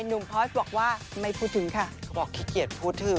หนุ่มพอสบอกว่าไม่พูดถึงค่ะเขาบอกขี้เกียจพูดถึง